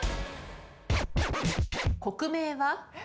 国名は？